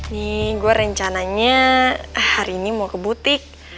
hmm gue rencananya hari ini mau ke butik